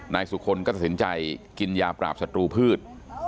นายสุคลก็ตัดสินใจกินยาปราบศัตรูพืช